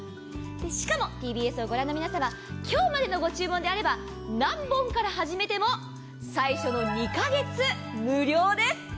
しかもＴＢＳをご覧の皆様、今日までのご注文であれば何本から初めても最初の２か月無料です。